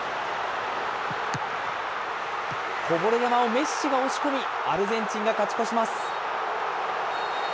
こぼれ球をメッシが押し込み、アルゼンチンが勝ち越します。